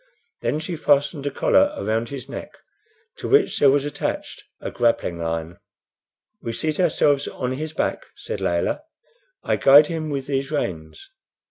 Then she fastened a collar around his neck, to which there was attached a grappling iron. "We seat ourselves on his back," said Layelah. "I guide with these reins.